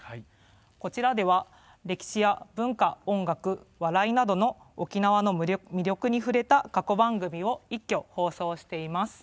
こちらでは、歴史や文化、音楽笑いなどの沖縄の魅力に触れた過去番組を一挙放送しています。